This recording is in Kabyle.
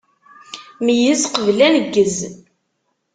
Meyyez qbel aneggez.